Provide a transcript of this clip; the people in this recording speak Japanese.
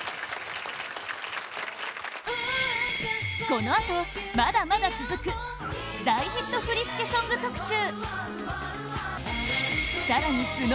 このあと、まだまだ続く大ヒット振付ソング特集！